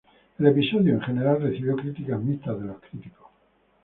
El episodio en general recibió críticas mixtas de los críticos.